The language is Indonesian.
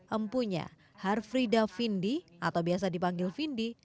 empunya harfrida vindi atau biasa dipanggil vindi